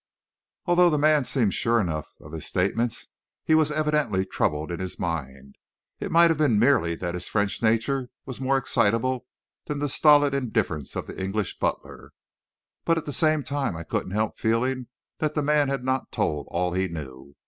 Although the man seemed sure enough of his statements he was evidently troubled in his mind. It might have been merely that his French nature was more excitable than the stolid indifference of the English butler. But at the same time I couldn't help feeling that the man had not told all he knew.